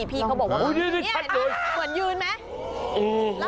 พี่เขาบอกว่าเหมือนยืนไหม